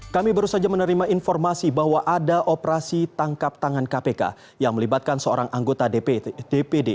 kami baru saja menerima informasi bahwa ada operasi tangkap tangan kpk yang melibatkan seorang anggota dpd